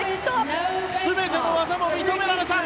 全ての技も認められた。